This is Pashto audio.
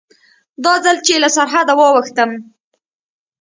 دا ځل چې له سرحده واوښتم.